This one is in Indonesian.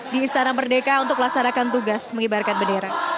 di istana merdeka untuk melaksanakan tugas mengibarkan bendera